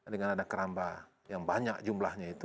dengan ada keramba yang banyak jumlahnya itu